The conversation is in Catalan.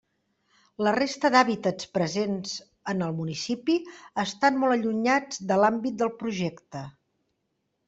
La resta d'hàbitats presents en el municipi estan molt allunyats de l'àmbit del Projecte.